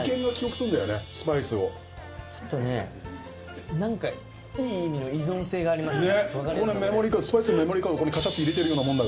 ちょっとね何かいい意味の依存性がありますね。